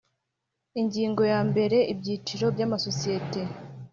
Ingingo ya mbere Ibyiciro by amasosiyete